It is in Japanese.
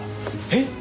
えっ！？